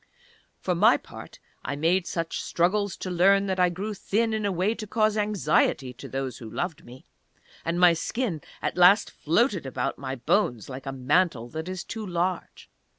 For my part, I made such struggles to learn that I grew thin in a way to cause anxiety to those who loved me, and my skin at last floated about my bones, like a mantle that is too large.